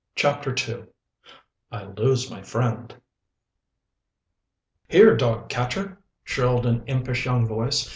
CHAPTER II I LOSE MY FRIEND "Here, dog catcher," shrilled an impish young voice.